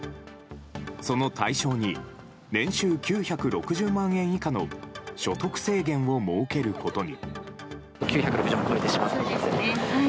その対象に年収９６０万円以下の所得制限を設けることに。